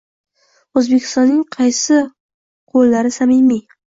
O'zbekistonning qaysi qo'llari samimiy?